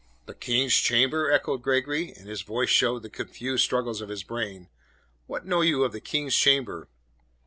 "The King's chamber?" echoed Gregory, and his face showed the confused struggles of his brain. "What know you of the King's chamber?"